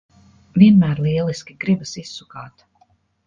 Vienmēr lieliski! Gribas izsukāt.